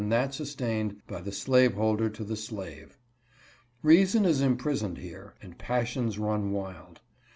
51 that sustained by the slaveholder to the slave. Reason is imprisoned here, and passions run wild.